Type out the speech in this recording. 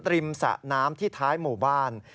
สะน้ำที่ท้ายหมู่บ้าน